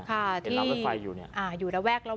ค่ะที่อาอยู่ระแวกละว่าการรถไฟฟ้าวงเวียน